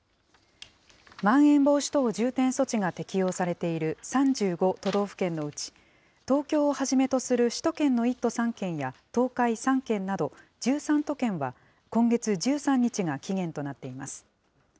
まん延防止等重点措置が適用されている３５都道府県のうち東京をはじめとする首都圏の１都３県や東海３県など、１３都県は今月１３日が期限となっています。